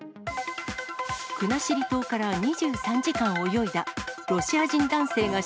国後島から２３時間泳いだ。